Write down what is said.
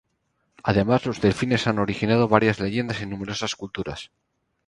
Además, los delfines han originado varias leyendas en numerosas culturas.